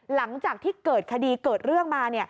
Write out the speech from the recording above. หลังจากที่เกิดคดีเกิดเรื่องมา